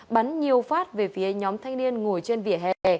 bắn nhiều phát về phía nhóm thanh niên ngồi trên vỉa hè